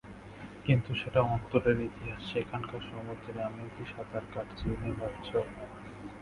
কিন্তু সেটা অন্তরের ইতিহাস, সেখানকার সমুদ্রে আমিও কি সাঁতার কাটছি নে ভাবছ।